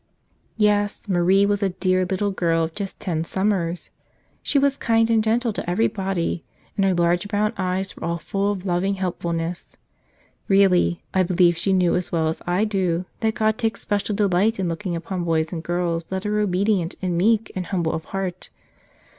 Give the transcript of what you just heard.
ES ; MARIE was a dear little girl of just ten ^/ summers. She was kind and gentle to every body, and her large brown eyes were all full > of loving helpfulness. Really, I believe she knew as well as I do that God takes special delight in looking upon boys and girls that are obe¬ dient and meek and humble of heart.